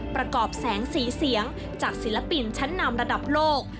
ประกอบแสงสีเสียงจากศิลปินชั้นนำระดับโลก